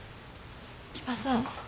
木場さん